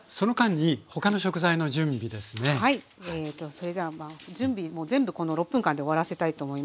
それでは準備も全部この６分間で終わらせたいと思います。